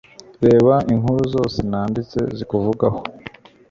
Reba inkuru zose nanditse zukuvugaho